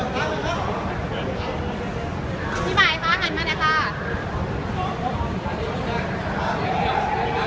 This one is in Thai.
ขี้หยัดปีน